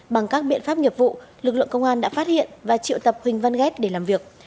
bằng các biện pháp nghiệp vụ lực lượng công an đã phát hiện và triệu tập huỳnh văn ghét để làm việc